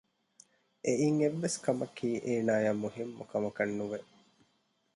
އެއިން އެއްވެސް ކަމަކީ އޭނާއަށް މުހިންމުކަމަކަށް ނުވެ